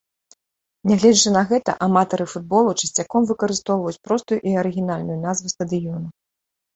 Нягледзячы на гэта, аматары футболу часцяком выкарыстоўваюць простую і арыгінальную назву стадыёну.